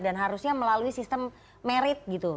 dan harusnya melalui sistem merit gitu